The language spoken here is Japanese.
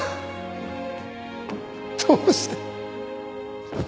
どうして？